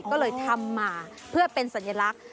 ก็เลยทำมาเพื่อเป็นสัญลักษณ์